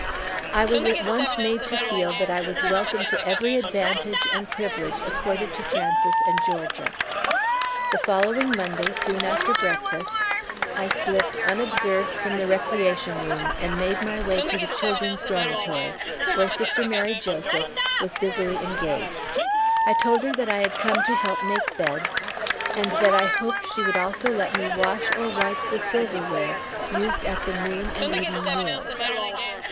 I was at once made to feel that I was welcome to every advantage and privilege accorded to Frances and Georgia. The following Monday, soon after breakfast, I slipped unobserved from the recreation room and made my way to the children's dormitory, where Sister Mary Joseph was busily engaged. I told her that I had come to help make beds and that I hoped she would also let me wash or wipe the silverware used at the noon and evening meals.